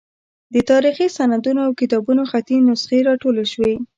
د تاریخي سندونو او کتابونو خطي نسخې راټولې شوې.